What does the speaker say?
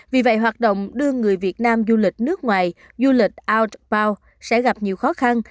vì vậy hoạt động đưa người việt nam du lịch nước ngoài du lịch aru sẽ gặp nhiều khó khăn